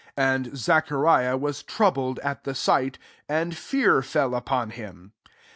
13 And Zacha* 'uh wae troubled at the eighty 'id fear fell ufion him.